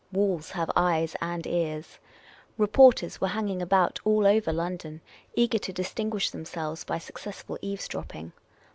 Walls have eyes and ears. Reporters were hanging about all over London, eager to distinguish themselves by success ful eavesdropping.